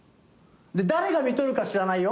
誰がみとるか知らないよ。